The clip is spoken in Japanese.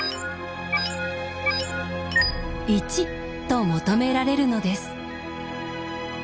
１と求められるのです。